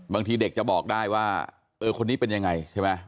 บางทีเด็กจะบอกได้ว่าเออคนนี้เป็นยังไงใช่ไหม